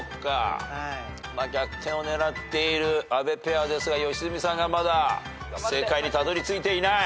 逆転を狙っている阿部ペアですが良純さんがまだ正解にたどり着いていない。